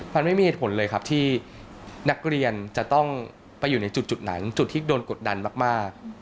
มันไม่มีเหตุผลเลยครับที่นักเรียนจะต้องไปอยู่ในจุดไหนจุดที่โดนกดดันมาก